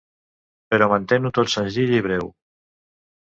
Però mantén-ho tot senzill i breu.